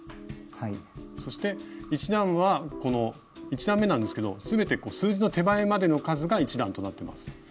そして１段めなんですけど全て数字の手前までの数が１段となってます。